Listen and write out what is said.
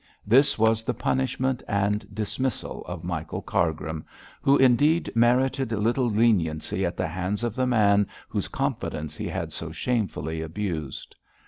This was the punishment and dismissal of Michael Cargrim, who indeed merited little leniency at the hands of the man whose confidence he had so shamefully abused.